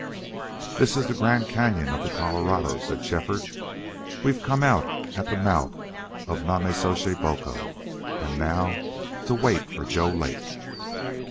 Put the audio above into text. "This is the Grand Cañon of the Colorado," said Shefford. "We've come out at the mouth of Nonnezoshe Boco.... And now to wait for Joe Lake!"